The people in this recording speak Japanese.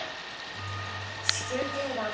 子宮頸がん。